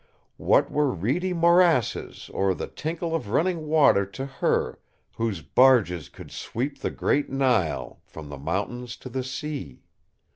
What were reedy morasses or the tinkle of running water to her whose barges could sweep the great Nile from the mountains to the sea.